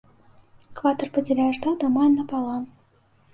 Экватар падзяляе штат амаль напалам.